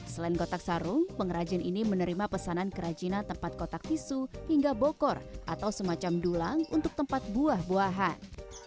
selain kotak sarung pengrajin ini menerima pesanan kerajinan tempat kotak tisu hingga bokor atau semacam dulang untuk tempat buah buahan